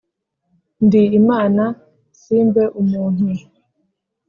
ndi Imana simbe umuntu,